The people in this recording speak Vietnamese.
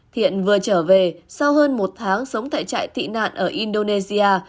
thiện vừa trở về sau hơn một tháng sống tại trại tị nạn ở indonesia